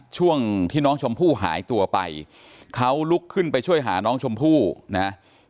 ช่วงที่น้องชมพู่หายตัวไปเขาลุกขึ้นไปช่วยหาน้องชมพู่นะ